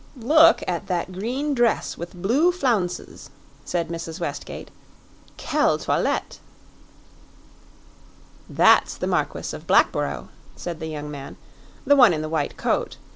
"Look at that green dress with blue flounces," said Mrs. Westgate. "Quelle toilette!" "That's the Marquis of Blackborough," said the young man "the one in the white coat.